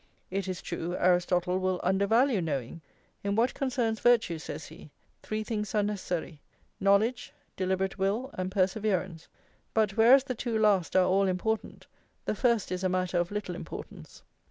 "+ It is true, Aristotle will undervalue knowing: "In what concerns virtue," says he, "three things are necessary, knowledge, deliberate will, and perseverance; but, whereas the two last are all important, the first is a matter of little importance."